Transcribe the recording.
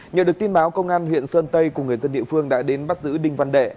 nhờ được tin báo công an huyện sơn tây cùng người dân địa phương đã đến bắt giữ đinh văn đệ